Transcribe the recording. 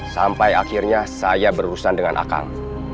sampai akhirnya saya berurusan dengan akang